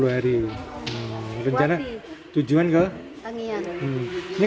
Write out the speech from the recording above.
sepuluh hari penjara tujuan ke kangian